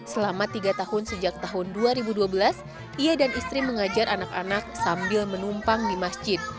selama tiga tahun sejak tahun dua ribu dua belas ia dan istri mengajar anak anak sambil menumpang di masjid